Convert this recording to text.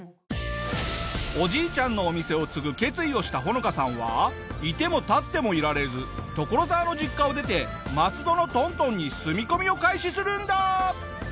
おじいちゃんのお店を継ぐ決意をしたホノカさんはいても立ってもいられず所沢の実家を出て松戸の東東に住み込みを開始するんだ！